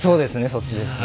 そっちですね。